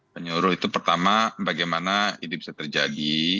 penyuruh itu pertama bagaimana ini bisa terjadi